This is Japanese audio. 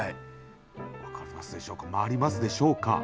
分かりますでしょうか。